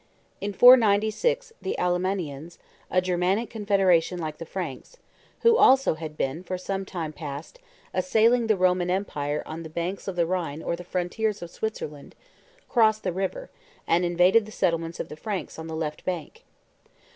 In 496 the Allemannians, a Germanic confederation like the Franks, who also had been, for some time past, assailing the Roman empire on the banks of the Rhine or the frontiers of Switzerland, crossed the river, and invaded the settlements of the Franks on the left bank.